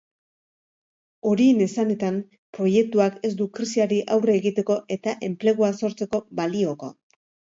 Horien esanetan, proiektuak ez du krisiari aurre egiteko eta enplegua sortzeko balioko.